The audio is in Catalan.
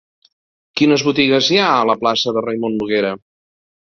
Quines botigues hi ha a la plaça de Raimon Noguera?